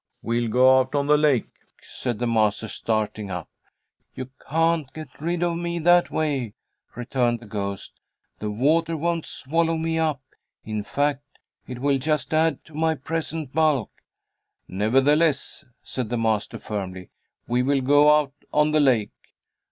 "We'll go out on the lake," said the master, starting up. "You can't get rid of me that way," returned the ghost. "The water won't swallow me up; in fact, it will just add to my present bulk." "Nevertheless," said the master, firmly, "we will go out on the lake."